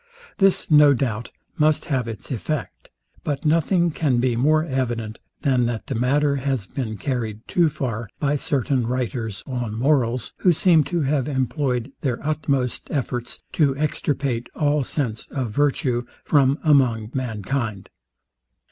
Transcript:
This, no doubt, must have its effect; but nothing can be more evident, than that the matter has been carryed too far by certain writers on morals, who seem to have employed their utmost efforts to extirpate all sense of virtue from among mankind.